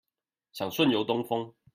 想順遊東峰